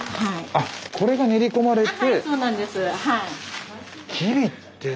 あっこれが練り込まれて。